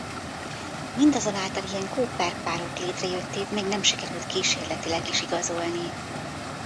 Mindazonáltal ilyen Cooper-párok létrejöttét még nem sikerült kísérletileg is igazolni.